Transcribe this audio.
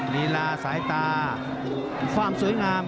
ลีลาสายตาความสวยงาม